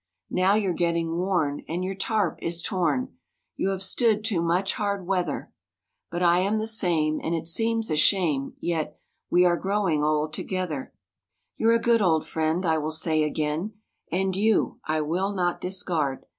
Now you're getting worn, and your tarp is torn, You have stood too much hard weather; But I am the same, and it seems a shame, Yet,—we are growing old together! You're a good old friend, I will say again, And you, I will not discard.